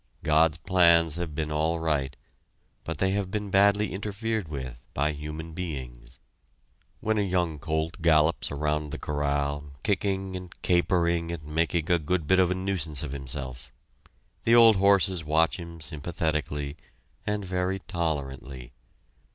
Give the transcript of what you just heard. God's plans have been all right, but they have been badly interfered with by human beings. When a young colt gallops around the corral, kicking and capering and making a good bit of a nuisance of himself, the old horses watch him sympathetically, and very tolerantly.